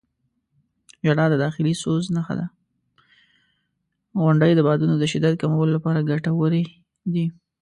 • غونډۍ د بادونو د شدت کمولو لپاره ګټورې دي.